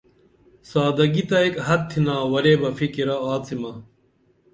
سادگی تہ ایک حد تِھنا ورے بہ فِکِرہ آڅِمہ